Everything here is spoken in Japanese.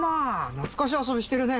懐かしい遊びしてるね。